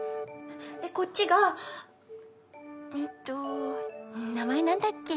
でこっちがえっと名前なんだっけ？